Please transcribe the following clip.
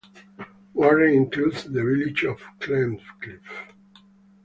Warren includes the village of Glencliff.